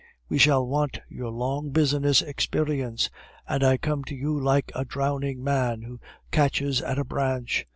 We shall want your long business experience; and I come to you like a drowning man who catches at a branch.